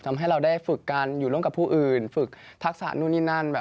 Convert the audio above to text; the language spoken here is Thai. ทำให้เราได้ฝึกกันอยู่ร่วมกับผู้อื่นฝึกทักษะนู่นนี่นั่นแบบ